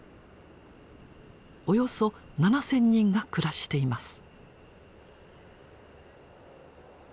およそ７，０００人が暮らしています。